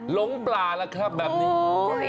หลงปลาระครับแบบนี้